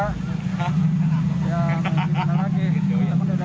kita mencintai lagi